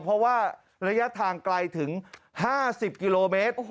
เพราะว่าระยะทางไกลถึง๕๐กิโลเมตร